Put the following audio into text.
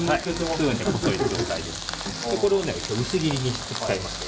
これを薄切りにしちゃいます。